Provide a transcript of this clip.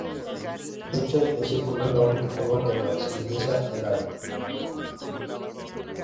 De hecho, el círculo es la única curva que maximiza el área.